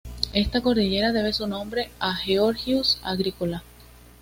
Esta cordillera debe su nombre a Georgius Agricola.